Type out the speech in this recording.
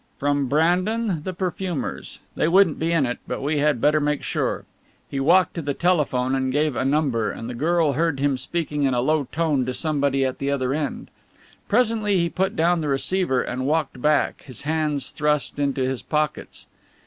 "From Brandan, the perfumers. They wouldn't be in it, but we had better make sure." He walked to the telephone and gave a number, and the girl heard him speaking in a low tone to somebody at the other end. Presently he put down the receiver and walked back, his hands thrust into his pockets.